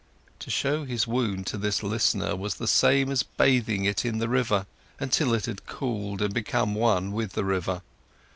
To show his wound to this listener was the same as bathing it in the river, until it had cooled and become one with the river.